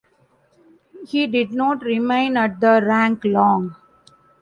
He did not remain at the rank long.